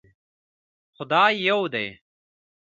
خدای يو دی